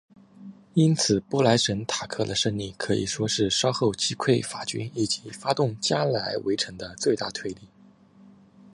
因此布朗什塔克的胜利可以说是稍后击溃法军以及发动加莱围城的最大推力。